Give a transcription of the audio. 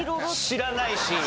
知らないし。